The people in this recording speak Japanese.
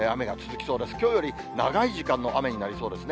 きょうより長い時間の雨になりそうですね。